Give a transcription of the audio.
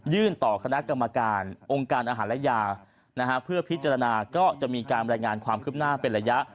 ต่อคณะกรรมการองค์การอาหารและยานะฮะเพื่อพิจารณาก็จะมีการบรรยายงานความคืบหน้าเป็นระยะ